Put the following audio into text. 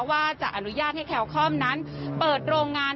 ว่าจะอนุญาตให้แคลคอมนั้นเปิดโรงงาน